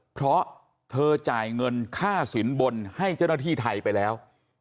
เพราะเธอจ่ายเงินค่าสินบนให้เจ้าหน้าที่ไทยไปแล้ว